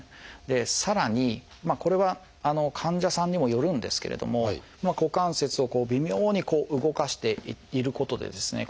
でさらにこれは患者さんにもよるんですけれども股関節を微妙に動かしていることでですね